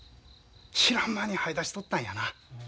知らん間にはい出しとったんやな。